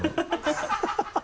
ハハハ